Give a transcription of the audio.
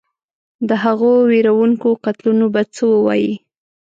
د هغو وېروونکو قتلونو به څه ووایې.